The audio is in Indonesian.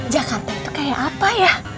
jakarta itu kayak apa ya